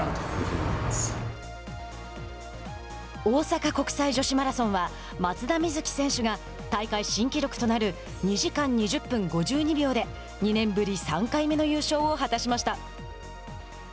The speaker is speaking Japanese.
大阪国際女子マラソンは松田瑞生選手が大会新記録となる２時間２０分５２秒で２年ぶり３回目の優勝を果たしました。